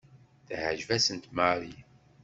Teɛjeb-asent Mary.